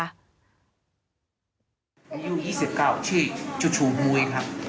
อายุ๒๙ชีวิตซูซูหมุยครับ